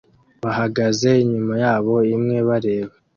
bahagaze inyuma yabo imwe bareba